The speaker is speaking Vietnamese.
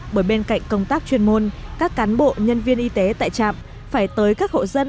bởi bên cạnh công tác chuyên môn các cán bộ nhân viên y tế tại trạm phải tới các hộ dân